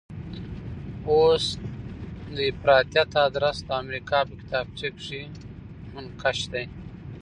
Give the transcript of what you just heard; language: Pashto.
اوس د افراطیت ادرس د امریکا په کتابچه کې منقش دی.